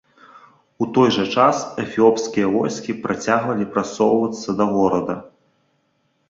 У той жа час, эфіопскія войскі працягвалі прасоўвацца да горада.